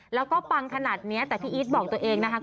แล้วก็ปังขนาดนี้แต่พี่อีทบอกตัวเองนะคะ